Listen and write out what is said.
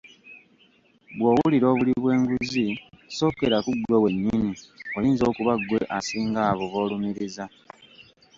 Bwowulira obuli bwenguzi sookera ku ggwe wennyini oyinza okuba gwe asinga abo boolumiriza.